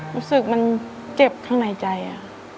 รู้สึกมันเจ็บข้างในใจ